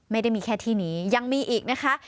ไม่ได้มีแค่ที่นี้ยังมีอีกนะคะ